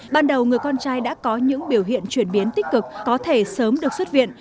ban đầu người con trai đã có những biểu hiện chuyển biến tích cực có thể sớm được xuất viện